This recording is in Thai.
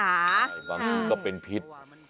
บางทีก็เป็นพิษ